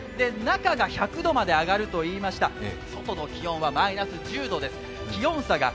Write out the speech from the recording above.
中が１００度まで上がるといいました外の気温はマイナス１０度です。